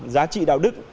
giá trị đạo đức